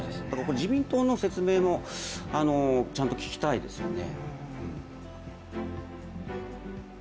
自民党の説明もちゃんと聞きたいですよね。